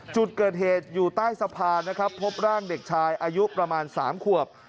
จุดเกิดเหตุอยู่ใต้สะพานนะครับพบร่างเด็กชายอายุประมาณ๓ขวบ